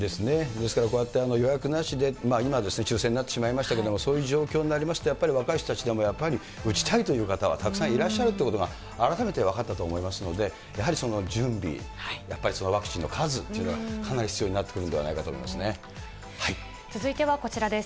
ですからこうやって、予約なしで、今、抽せんになってしまいましたけれども、そういう状況になりますと、やっぱり若い人たちでも、打ちたいという方はたくさんいらっしゃるということが、改めて分かったと思いますので、やはりその準備、やっぱりそのワクチンの数っていうのは、かなり必要になってくる続いてはこちらです。